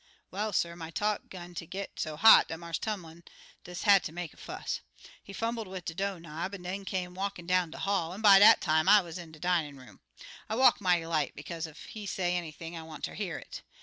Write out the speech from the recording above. "Well, suh, my talk 'gun ter git so hot dat Marse Tumlin des had ter make a fuss. He fumbled wid de do' knob, an' den come walkin' down de hall, an' by dat time I wuz in de dinin' room. I walk mighty light, bekaze ef he say anything I want ter hear it.